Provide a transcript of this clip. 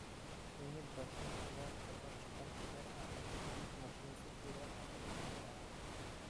ئۆينى باشتىن- ئاياغ تازىلاپ چىققان كىشىلەر ئاخىرى ئىككى يۈك ماشىنىسى كېلىدىغان ئەخلەتنى توپلىغان.